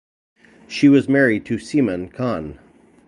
She was married to Seman Khan.